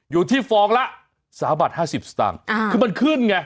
ฟองละ๓บาท๕๐สตางค์คือมันขึ้นไง